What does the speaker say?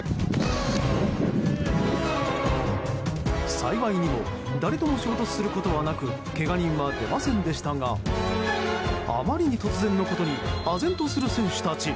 幸いにも誰とも衝突することはなくけが人は出ませんでしたがあまりに突然のことにあぜんとする選手たち。